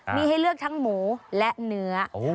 มีให้เลือกทั้งหมูและเนื้อ